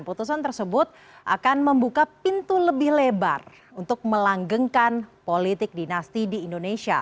putusan tersebut akan membuka pintu lebih lebar untuk melanggengkan politik dinasti di indonesia